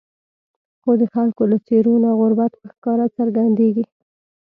خو د خلکو له څېرو نه غربت په ښکاره څرګندېږي.